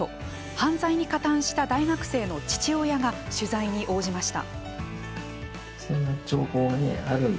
犯罪に加担した大学生の父親が取材に応じました。